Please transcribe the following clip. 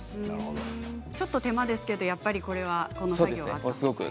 ちょっと手間ですけどやっぱりこの作業は。